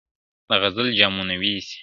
دغزل جامونه وېسي ,